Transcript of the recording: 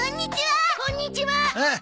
ああこんにちは。